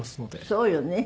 そうよね。